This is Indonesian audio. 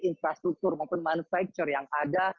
infrastruktur maupun manufacture yang ada